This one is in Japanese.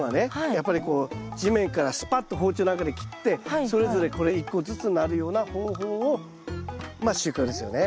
やっぱりこう地面からすぱっと包丁なんかで切ってそれぞれこれ１個ずつになるような方法をまあ収穫ですよね。